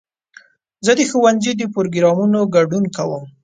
زه د ښوونځي د پروګرامونو ګډون کوم.